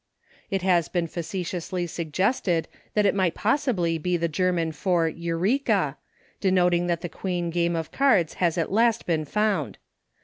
It has been facetiously suggested that it might possibly be the German for Eureka ! denoting that the Queen game of cards has at last been found